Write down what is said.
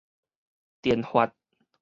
電髮